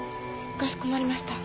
かしこまりました。